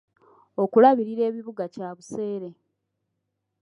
Okulabirira ebibuga kya buseere.